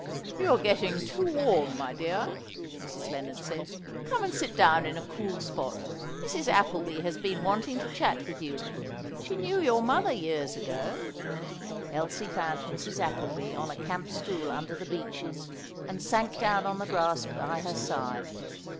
"You are getting too warm, my dear," Mrs. Lennard said. "Come and sit down in a cool spot. Mrs. Appleby has been wanting to chat with you; she knew your mother years ago." Elsie found Mrs. Appleby on a camp stool under the beeches, and sank down on the grass by her side.